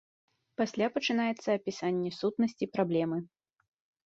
Пасля пачынаецца апісанне сутнасці праблемы.